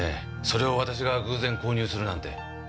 それを私が偶然購入するなんて。